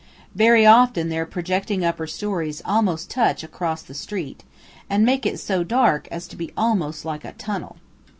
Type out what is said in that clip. Very often their projecting upper storeys almost touch across the street, and make it so dark as to be almost like a tunnel.